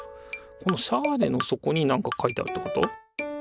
このシャーレの底になんか書いてあるってこと？